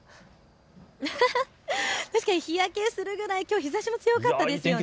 確かに日焼けするぐらいきょう、日ざしも強かったですよね。